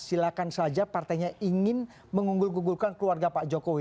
silahkan saja partainya ingin mengunggul gugulkan keluarga pak jokowi